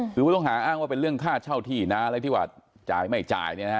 คือผู้ต้องหาอ้างว่าเป็นเรื่องค่าเช่าที่นะอะไรที่ว่าจ่ายไม่จ่ายเนี่ยนะฮะ